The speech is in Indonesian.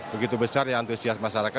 begitu besar ya antusias masyarakat